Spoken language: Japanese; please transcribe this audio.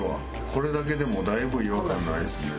これだけでもだいぶ違和感ないですね。